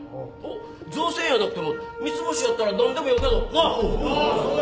造船やなくても三ツ星やったら何でもよかぞ。なあ！そうや。